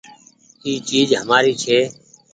اي چيز همآري ڇي۔